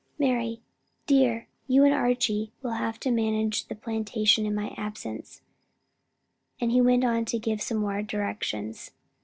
Mary, dear, you and Archie will have to manage the plantation in my absence," and he went on to give some directions.